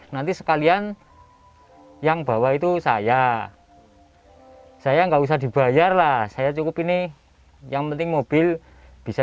nanti sekalian yang bawa itu saya saya enggak usah dibayar lah saya cukup ini yang penting mobil bisa